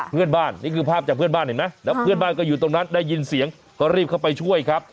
เพื่อนบ้านนี่คือภาพแบบเวลาเพื่อนบ้านอยู่ตรงนั้นได้ยินเสียงก็รีบเข้าไปช่วยครับ